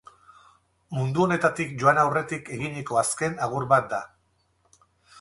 Mundu honetatik joan aurretik eginiko azken agur bat da.